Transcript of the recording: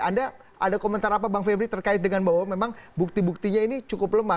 anda ada komentar apa bang febri terkait dengan bahwa memang bukti buktinya ini cukup lemah